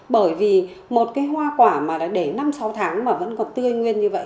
bởi vì một cái hoa quả mà đã để năm sáu tháng mà vẫn còn tươi nguyên như vậy